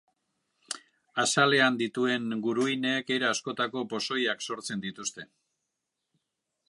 Azalean dituen guruinek era askotako pozoiak sortzen dituzte.